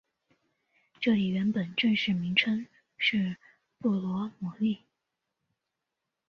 这里原本正式名称是布罗姆利。